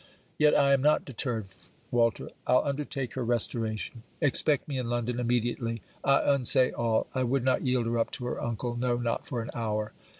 Yet I am not deterred, Walter. I'll undertake her restoration. Expect me in London immediately. I unsay all. I would not yield her up to her uncle, no not for an hour!